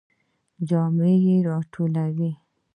جامی را ټولوئ؟